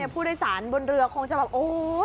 ผู้โดยสารบนเรือคงจะแบบโอ๊ย